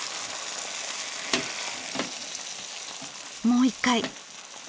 もう一回。